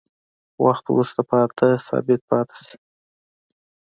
وخت وروسته په اته ثابت پاتې شي.